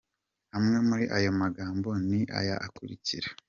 Amwe muri ayo magambo ni aya akurikira:.